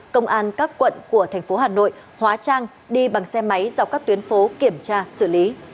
công an các quận của thành phố hà nội hóa trang đi bằng xe máy dọc các tuyến phố kiểm tra xử lý